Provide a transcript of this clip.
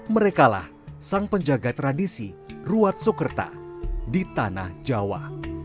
merekalah sang penjaga tradisi ruat sokerta di tanah jawa